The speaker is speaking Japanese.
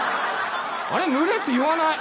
あれ「群れ」って言わない。